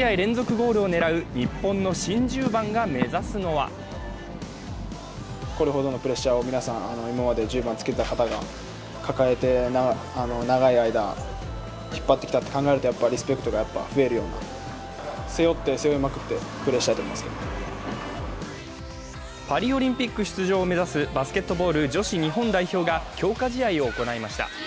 ゴールを狙う日本の新１０番が目指すのはパリオリンピック出場を目指すバスケットボール女子日本代表が、強化試合を行いました。